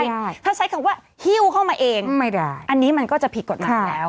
ใช่ถ้าใช้คำว่าฮิ้วเข้ามาเองไม่ได้อันนี้มันก็จะผิดกฎหมายแล้ว